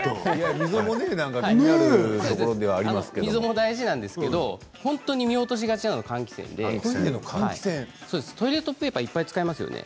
溝も大事なんですけれども本当に見落としがちなのは換気扇でトイレットペーパーをいっぱい使いますよね。